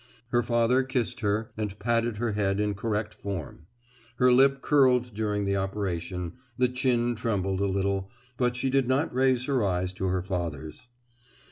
Her father kissed her and patted her head in correct form; her lip curled during the operation, the chin trembled a little, but she did not raise her eyes to her father's.